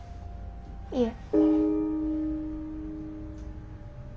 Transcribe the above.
いえ。